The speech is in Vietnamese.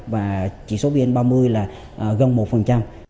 và chỉ số vn ba mươi là gần một